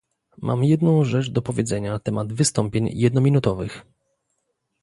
Mam jedną rzecz do powiedzenia na temat wystąpień jednominutowych